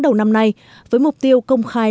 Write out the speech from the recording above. đầu năm nay với mục tiêu công khai